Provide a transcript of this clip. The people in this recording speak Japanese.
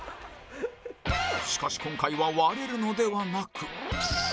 しかし今回は割れるのではなく